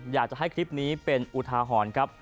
อยากจะให้คลิปนี้เป็นอุทาหรณ์ครับ